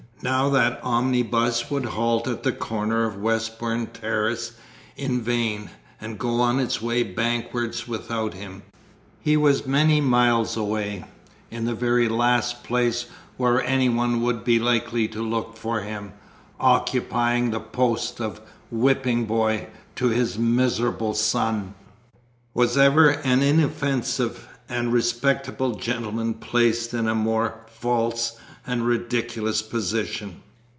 Now that omnibus would halt at the corner of Westbourne Terrace in vain, and go on its way Bankwards without him. He was many miles away in the very last place where anyone would be likely to look for him, occupying the post of "whipping boy" to his miserable son! Was ever an inoffensive and respectable gentleman placed in a more false and ridiculous position?